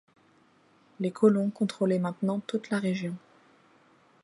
Les colons contrôlaient maintenant toute la région.